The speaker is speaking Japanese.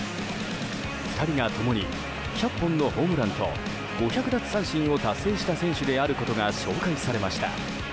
２人が共に１００本のホームランと５００奪三振を達成した選手であることが紹介されました。